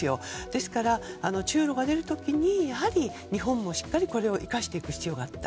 ですから、中ロがいる時に日本もこれをしっかりと生かしていく必要があった。